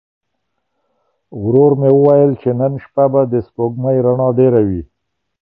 ورور مې وویل چې نن شپه به د سپوږمۍ رڼا ډېره وي.